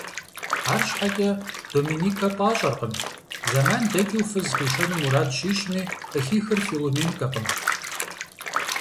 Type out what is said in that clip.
Арщхьэкӏэ Доменикэ пӏащӏэркъым, зэман дэкӏыу фыз къишэну мурад щищӏми къыхихыр Филуменэкъым.